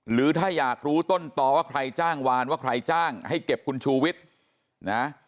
หรือถ้าอยากรู้ต้นต่อว่าใครจ้างวานว่าใครจ้างให้เก็บคุณชูวิทย์นะ